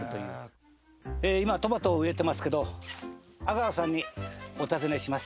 今トマトを植えてますけど阿川さんにお尋ねします。